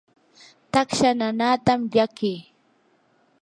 taksha nanaatam llakii.